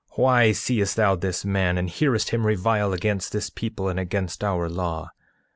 8:2 Why seest thou this man, and hearest him revile against this people and against our law?